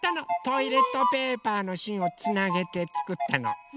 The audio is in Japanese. トイレットペーパーのしんをつなげてつくったの。